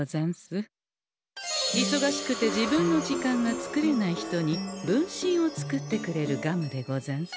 いそがしくて自分の時間が作れない人に分身を作ってくれるガムでござんす。